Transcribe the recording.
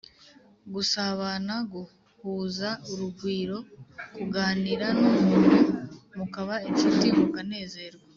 gusabana: guhuza urugwiro, kuganira n’umuntu mukaba inshuti mukanezerwa